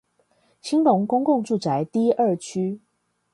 興隆公共住宅 D 二區